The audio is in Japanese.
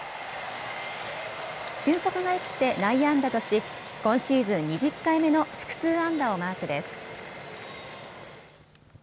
俊足が生きて内野安打とし今シーズン２０回目の複数安打をマークです。